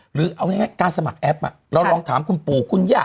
หรือเอาง่ายการสมัครแอปเราลองถามคุณปู่คุณย่า